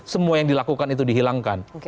semua yang dilakukan itu dihilangkan